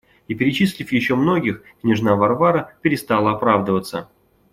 И, перечислив еще многих, княжна Варвара перестала оправдываться.